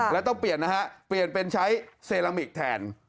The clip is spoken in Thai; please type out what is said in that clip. แล้วต้องเปลี่ยนนะฮะเปลี่ยนเป็นใช้เซรามิกแทน